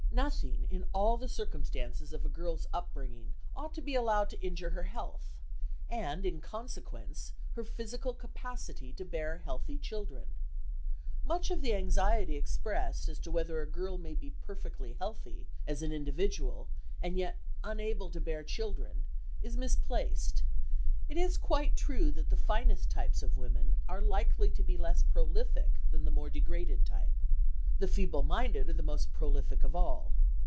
Nothing in all the circumstances of a girl's upbringing ought to be allowed to injure her health, and, in consequence, her physical capacity to bear healthy children. Much of the anxiety expressed as to whether a girl may be perfectly healthy, as an individual, and yet unable to bear children, is misplaced. It is quite true that the finest types of women are likely to be less prolific than the more degraded type. The feeble minded are the most prolific of all.